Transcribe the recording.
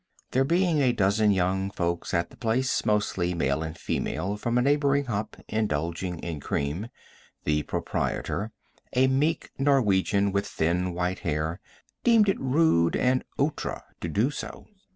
There being a dozen young folks at the place, mostly male and female, from a neighboring hop, indulging in cream, the proprietor, a meek Norwegian with thin white hair, deemed it rude and outre to do so.